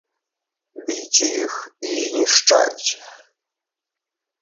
Біце іх і знішчайце!